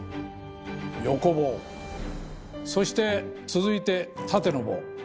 横棒そして続いて縦の棒。